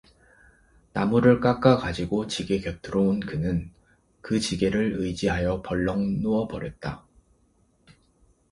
나무를 깎아 가지고 지게 곁으로 온 그는 그 지게를 의지하여 벌렁 누워 버렸다.